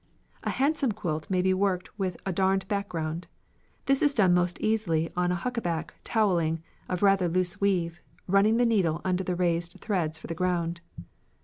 A handsome quilt may be worked with a darned background. It is done most easily on huckaback towelling of rather loose weave, running the needle under the raised threads for the ground.